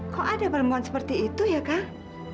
kok ada perempuan seperti itu ya kang